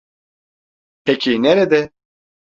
Peki, nerede?